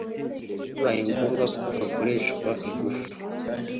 bibayengombwa ko hakoreshwa igufu